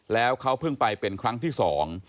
แล้วเขาเพิ่งไปเป็นครั้งที่สอง